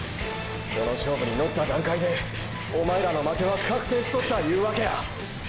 この勝負に乗った段階でおまえらの負けは確定しとったいうわけや！！